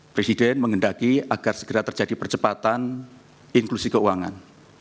presiden menghendaki agar segera terjadi percepatan inklusi keuangan